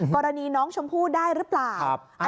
กรณีน้องชมพู่ได้หรือเปล่า